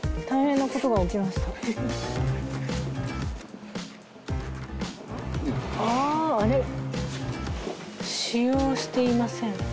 「使用していません」